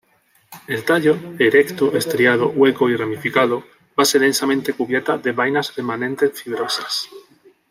El tallo, erecto, estriado, hueco y ramificado, base densamente cubierta de vainas remanentes fibrosas.